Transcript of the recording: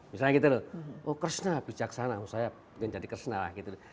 misalnya gitu loh oh krisna bijaksana oh saya menjadi krisna lah gitu